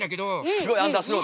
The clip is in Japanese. すごいアンダースローでね。